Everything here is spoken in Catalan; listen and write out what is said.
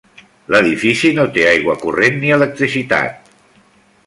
L'edifici no té aigua corrent ni electricitat.